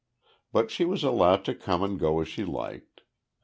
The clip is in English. But she was allowed to come and go as she liked.